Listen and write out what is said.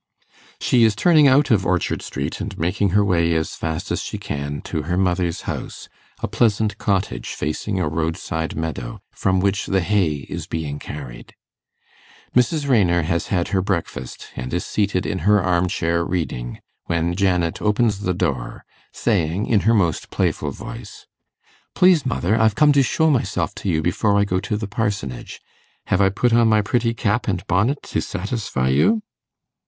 She is turning out of Orchard Street, and making her way as fast as she can to her mother's house, a pleasant cottage facing a roadside meadow, from which the hay is being carried. Mrs. Raynor has had her breakfast, and is seated in her arm chair reading, when Janet opens the door, saying, in her most playful voice, 'Please, mother, I'm come to show myself to you before I go to the Parsonage. Have I put on my pretty cap and bonnet to satisfy you?